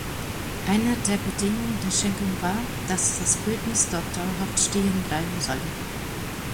Eine der Bedingungen der Schenkung war, dass das Bildnis dort dauerhaft stehen bleiben solle.